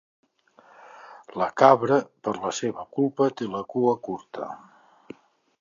La cabra, per la seva culpa, té la cua curta.